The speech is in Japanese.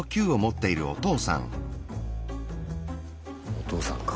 お父さんか。